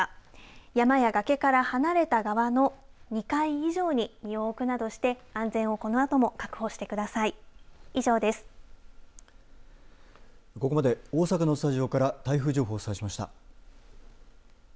山や崖から離れた側の２階以上に身を置くなどして安全をこのあとも確保してください。